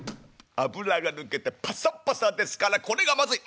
脂が抜けてパサパサですからこれがまずい。